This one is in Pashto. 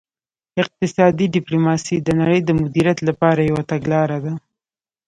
اقتصادي ډیپلوماسي د نړۍ د مدیریت لپاره یوه تګلاره ده